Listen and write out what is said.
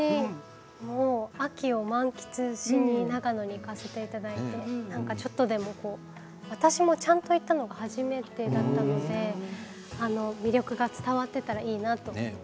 秋を満喫しに長野に行かせていただいて私もちゃんと行ったのが初めてだったので魅力が伝わっていたらいいなって。